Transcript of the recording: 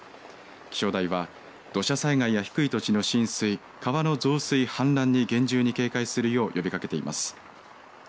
気象台は土砂災害や低い土地の浸水川の増水、氾濫に厳重に警戒するよう呼びかけています。